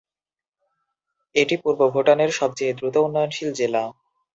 এটি পূর্ব ভুটানের সবচেয়ে দ্রুত উন্নয়নশীল জেলা।